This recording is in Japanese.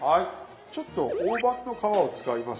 ちょっと大判の皮を使います。